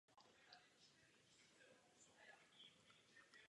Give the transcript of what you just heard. Dále se zde nachází malá dřevěná kaple a turistický kemp.